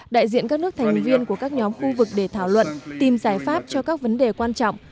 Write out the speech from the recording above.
đại diện các nước thành viên của các nhóm khu vực để thảo luận tìm giải pháp cho các vấn đề quan trọng